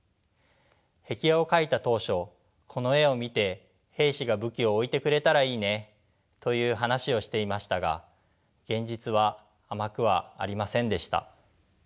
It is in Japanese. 壁画を描いた当初この絵を見て兵士が武器を置いてくれたらいいねという話をしていましたが現実は甘くはありませんでした。